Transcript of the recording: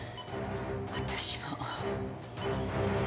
私も。